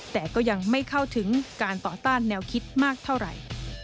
แต่ก็ยังไม่เข้าถึงการต่อต้านแนวคิดมากเท่าไหร่